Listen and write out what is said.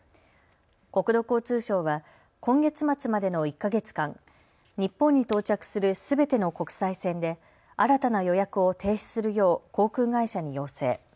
国土交通省は今月末までの１か月間、日本に到着するすべての国際線で新たな予約を停止するよう航空会社に要請。